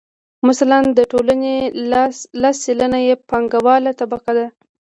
مثلاً د ټولنې لس سلنه یې پانګواله طبقه ده